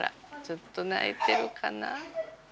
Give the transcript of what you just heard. ちょっと泣いてるかな？